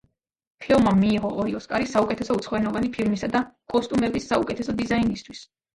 ფილმმა მიიღო ორი ოსკარი, საუკეთესო უცხოენოვანი ფილმისა და კოსტუმების საუკეთესო დიზაინისთვის.